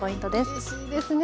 うれしいですね！